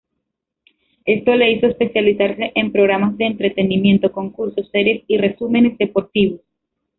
Esto le hizo especializarse en programas de entretenimiento, concursos, series y resúmenes deportivos.